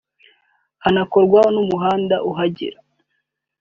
hanakorwe n’umuhanda uhagera